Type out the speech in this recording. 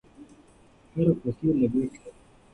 هر خوښي لګښت لري.